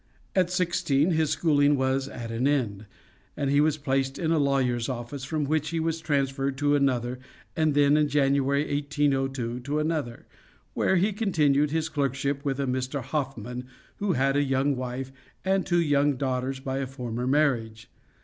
At sixteen his schooling was at an end, and he was placed in a lawyer's office, from which he was transferred to another, and then, in January, 1802, to another, where he continued his clerkship with a Mr. Hoffman, who had a young wife, and two young daughters by a former marriage.